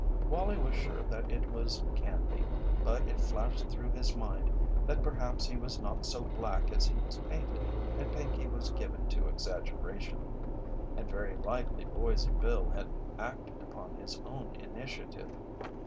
Wallie was sure that it was Canby but it flashed through his mind that perhaps he was not so black as he was painted and Pinkey was given to exaggeration, and very likely Boise Bill had acted upon his own initiative.